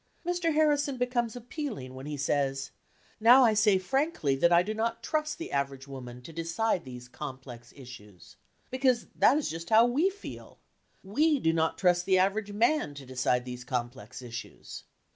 Mr. Harrison becomes appealing when he says, "Now I say frankly that I do not trust the average woman to decide these complex issues"; because that is just how we feel! We do not trust the average man to decide these complex issues.